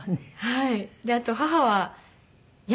はい。